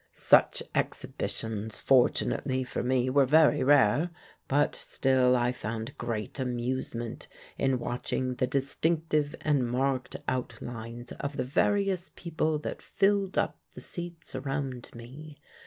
Such exhibitions, fortunately for me, were very rare; but still I found great amusement in watching the distinctive and marked outlines of the various people that filled up the seats around me.